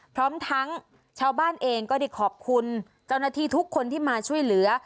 พร้อมทั้งชาวบ้านเองก็ได้ขอบคุณเจ้าหน้าที่ทุกคนที่มาช่วยเหลือ